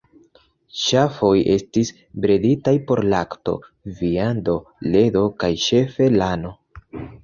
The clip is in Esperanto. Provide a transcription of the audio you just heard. Ŝafoj estis breditaj por lakto, viando, ledo kaj ĉefe lano.